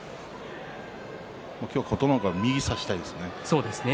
今日は琴ノ若は右を差したいですね。